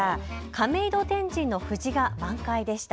亀戸天神の藤が満開でした。